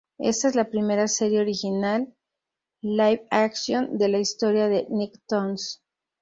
Esta es la primera serie original live-action de la historia de Nicktoons.